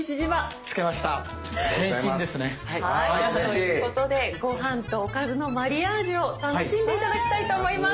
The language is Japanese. はいということでご飯とおかずのマリアージュを楽しんで頂きたいと思います。